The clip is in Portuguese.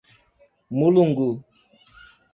Mulungu